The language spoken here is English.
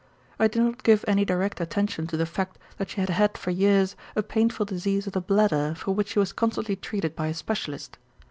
I did not give any direct attention to the fact that she had had for years a painful disease of the bladder for which she was constantly treated by a specialist.